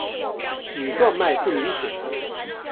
羽状脉不明显。